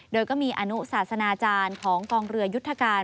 โดยก็มีอนุศาสนาจารย์ของกองเรือยุทธการ